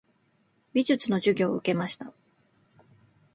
美術の授業を受けました。